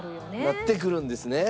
なってくるんですね。